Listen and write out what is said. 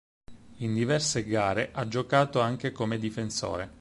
In diverse gare ha giocato anche come difensore.